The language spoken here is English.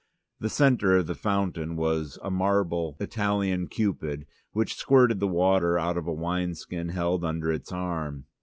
The centre of the fountain was a marble Italian Cupid which squirted the water out of a wine skin held under its arm.